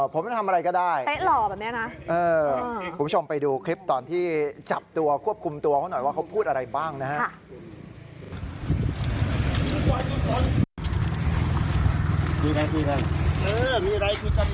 ผมจะทำอะไรก็ได้คุณผู้ชมไปดูคลิปตอนที่จับตัวควบคุมตัวเขาหน่อยว่าเขาพูดอะไรบ้างนะฮะ